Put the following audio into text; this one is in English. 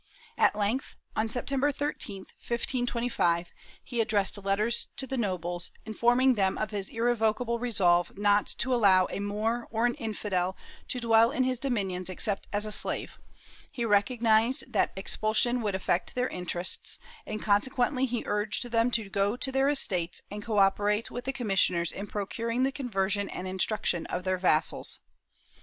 At length, on September 13, 1525, he addressed letters to the nobles, inform ing them of his irrevocable resolve not to allow a Moor or an infidel to dwell in his dominions except as a slave; he recognized that expulsion would affect their interests, and consequently he urged them to go to their estates and co operate with the com missioners in procuring the conversion and instruction of their vassals.